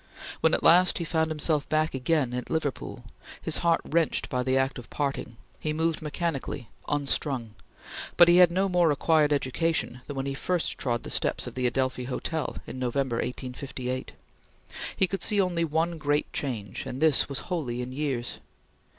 When at last he found himself back again at Liverpool, his heart wrenched by the act of parting, he moved mechanically, unstrung, but he had no more acquired education than when he first trod the steps of the Adelphi Hotel in November, 1858. He could see only one great change, and this was wholly in years.